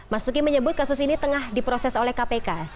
mastuki menyebut kasus ini tengah diproses oleh kpk